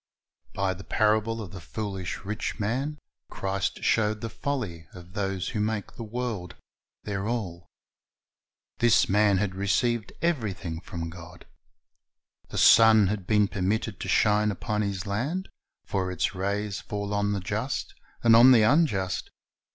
By the parable of the foolish rich man, Christ showed the folly of those who make the world their all. This man had received everything from God. The sun had been permitted to shine upon his land; for its rays fall on the just and on the unjust.